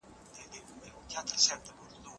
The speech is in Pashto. یخ کالي بیخي کلک کړي وو.